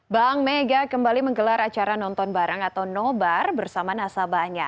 bank mega kembali menggelar acara nonton bareng atau nobar bersama nasabahnya